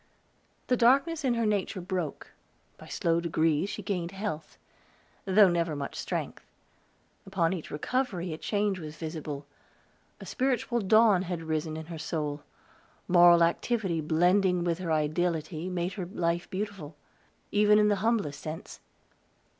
The darkness in her nature broke; by slow degrees she gained health, though never much strength. Upon each recovery a change was visible; a spiritual dawn had risen in her soul; moral activity blending with her ideality made her life beautiful, even in the humblest sense.